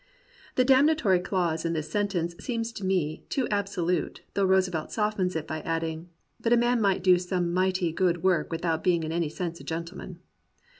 The damnatory clause in this sentence seems to me too absolute, though Roosevelt softens it by adding, "but a man might do some mighty good work without being in any sense a gentleman."